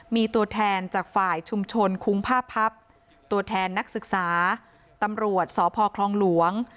มีตัวแทนจากฝ่ายชุมชนคุ้งผ้าพับตัวแทนนักศึกษาตำรวจสพคลองหลวง